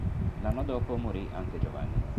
L'anno dopo morì anche Giovanni.